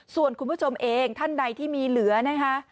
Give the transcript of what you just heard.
ส่วนคุณผู้ชมเองท่านใดที่มีเหลือนะคะ